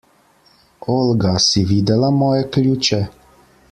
Olga, si videla moje ključe?